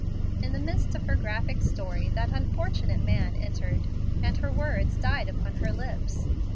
In the midst of her graphic story that unfortunate man entered, and her words died upon her lips.